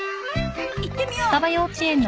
行ってみよう！